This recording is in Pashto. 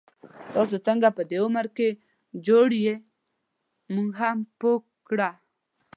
تاسو څنګه په دی عمر کي جوړ يې، مونږ هم پوه کړه